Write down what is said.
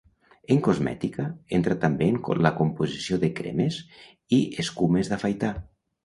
En cosmètica, entra també en la composició de cremes i escumes d'afaitar.